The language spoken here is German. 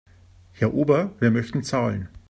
Herr Ober, wir möchten zahlen.